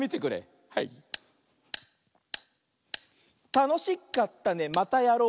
「たのしかったねまたやろう！」